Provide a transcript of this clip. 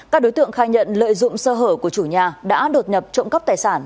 các đối tượng khai nhận lợi dụng sơ hở của chủ nhà đã đột nhập trộm cắp tài sản